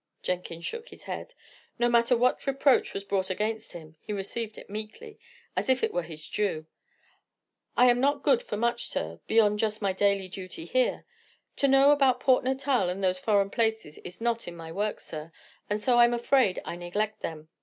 Jenkins shook his head. No matter what reproach was brought against him, he received it meekly, as if it were his due. "I am not good for much, sir, beyond just my daily duty here. To know about Port Natal and those foreign places is not in my work, sir, and so I'm afraid I neglect them.